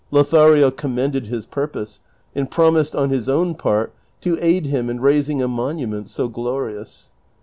Lothario commended his purpose, and promised on his own part to aid him in raising a monument so glorious.